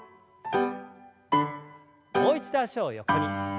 もう一度脚を横に。